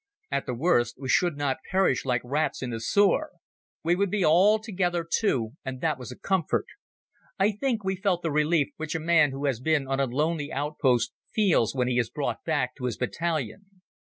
At the worst, we should not perish like rats in a sewer. We would be all together, too, and that was a comfort. I think we felt the relief which a man who has been on a lonely outpost feels when he is brought back to his battalion.